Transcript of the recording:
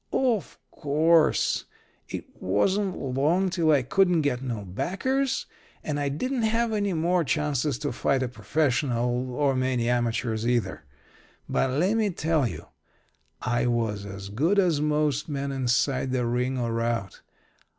"Of course, it wasn't long till I couldn't get no backers, and I didn't have any more chances to fight a professional or many amateurs, either. But lemme tell you I was as good as most men inside the ring or out.